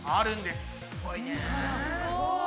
すごい！